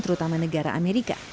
terutama negara amerika